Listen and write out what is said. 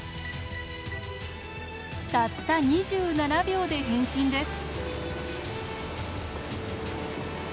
たった２７秒で変身です。